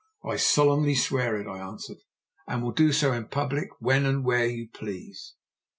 "I solemnly swear it," I answered. "And will do so in public when and where you please."